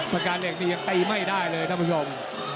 ปากการณ์เหล็กนี้ยังตีไม่ได้เลยครับทุกผู้ชม